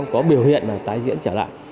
có biểu hiện mà tái diễn trở lại